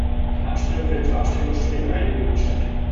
Die Abstimmung findet zur Abstimmungsstunde in einigen Minuten statt.